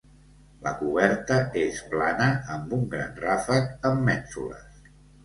La coberta és plana amb un gran ràfec amb mènsules.